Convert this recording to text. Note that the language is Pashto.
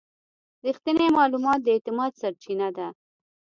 رښتینی معلومات د اعتماد سرچینه ده.